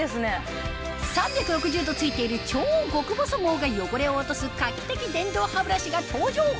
３６０度付いている超極細毛が汚れを落とす画期的電動歯ブラシが登場